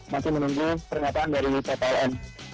masih menunggu pernyataan dari ppln